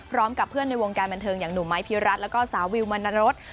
พร้อมกับเพื่อนในวงการบรรเทิงอย่างหนุ่มไมค์พีรัสและสาววิวมันนรส